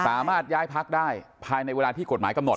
สามารถย้ายพักได้ภายในเวลาที่กฎหมายกำหนด